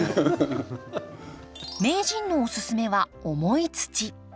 名人のおすすめは重い土。